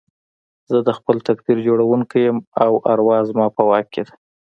زه د خپل تقدير جوړوونکی يم او اروا زما په واک کې ده.